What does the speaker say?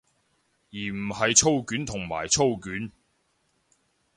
而唔係操卷同埋操卷